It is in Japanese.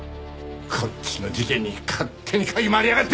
こっちの事件に勝手に嗅ぎ回りやがって！